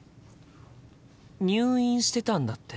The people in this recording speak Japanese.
入院してたんだって？